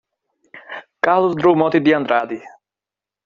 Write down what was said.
Carlos Drummond de Andrade.